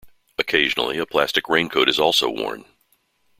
Occasionally a plastic raincoat is also worn.